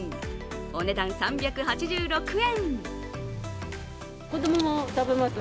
お値段３８６円。